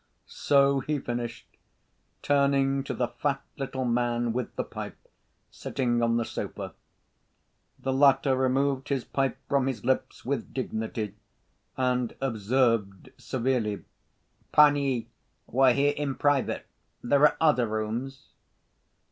So he finished, turning to the fat little man, with the pipe, sitting on the sofa. The latter removed his pipe from his lips with dignity and observed severely: "Panie, we're here in private. There are other rooms."